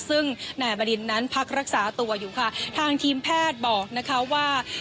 ซึ่งนายบรินนั้นพักรักษาตัวอยู่ค่ะทางทีมแพทย์บอกนะคะว่า